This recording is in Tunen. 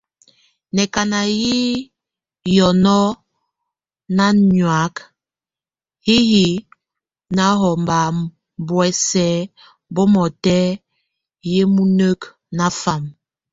Nákan hí hiɔŋɔ náhɔak, híhi náhɔ mba buɔ́sɛ bomɔtɛk, yemúneke nafam.